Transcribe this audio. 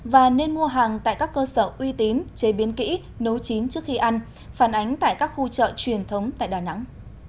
và nên mua hàng tại các cơ sở uy tín chế biến kỹ nấu chín trước khi ăn phản ánh tại các khu chợ truyền thống tại đà nẵng